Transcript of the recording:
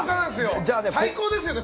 最高ですよね！